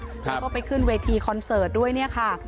แล้วก็ไปขึ้นเวทีคอนเสิร์ตด้วยเนี่ยค่ะ